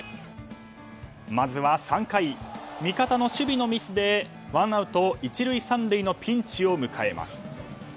まずは３回、味方の守備のミスでワンアウト１塁３塁のピンチを迎えます。